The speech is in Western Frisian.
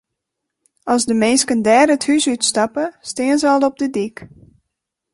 As de minsken dêr it hûs út stappe, stean se al op de dyk.